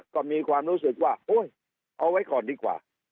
ก็มีความรู้สึกว่าโอ๊ยเอาไว้ก่อนดีกว่า